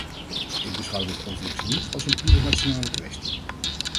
Ik beschouw dit overigens niet als een puur nationale kwestie.